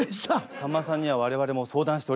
さんまさんには我々も相談しておりました。